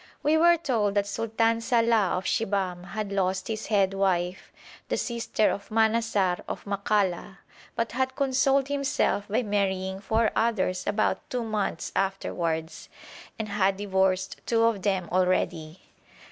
We were told that Sultan Salàh of Shibahm had lost his head wife, the sister of Manassar of Makalla, but had consoled himself by marrying four others about two months afterwards, and had divorced two of them already.